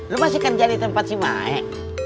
lo masih kerja di tempat si maek